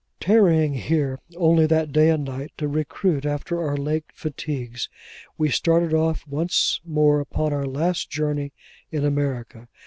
Tarrying here, only that day and night, to recruit after our late fatigues, we started off once more upon our last journey in America.